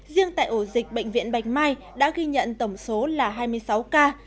riêng tại ổ dịch bệnh viện bạch mai đã ghi nhận tổng số là hai mươi sáu ca